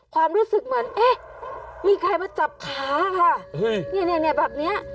ความรู้สึกเหมือนเอ๊ะมีใครมาจับขาค่ะเนี่ยแบบนี้